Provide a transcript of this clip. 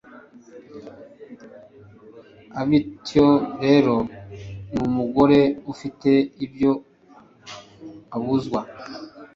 abityo rero n'umugore ufite ibyo abuzwa